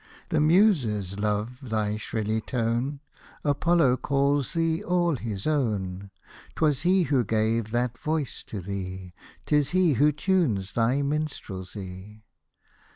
The Muses love thy shrilly tone ; Apollo calls thee all his own ; 'Twas he who gave that voice to thee, 'Tis he who tunes thy minstrelsy.